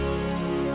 aku berharap bisa